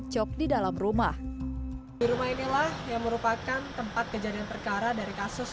cok di dalam rumah di rumah inilah yang merupakan tempat kejadian perkara dari kasus